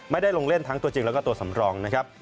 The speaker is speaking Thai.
ไม่ได้ลงเล่นทั้งตัวจริงแล้วก็ตัวสำรองนะครับ